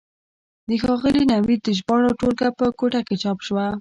د ښاغلي نوید د ژباړو ټولګه په کوټه کې چاپ شوه.